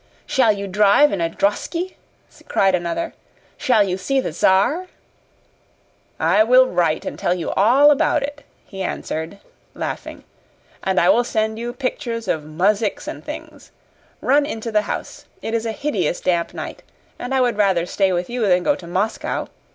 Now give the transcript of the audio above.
"Shall you drive in a drosky?" cried another. "Shall you see the Czar?" "I will write and tell you all about it," he answered, laughing. "And I will send you pictures of muzhiks and things. Run into the house. It is a hideous damp night. I would rather stay with you than go to Moscow.